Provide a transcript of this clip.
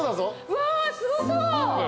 うわすごそう。